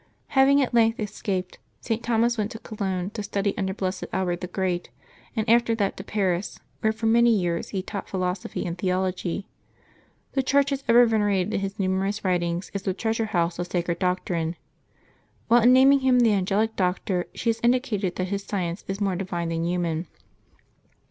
Having at length escaped, St. Thomas went to Cologne to study under Blessed Albert the Great, and after that to Paris, where for many 3'ears he taught philosophy and theology. The Church has ever venerated his numerous writings as a treasure house of sacred doc trine; while in naming him the xA.ngelic Doctor she has indicated that his science is more divine than human.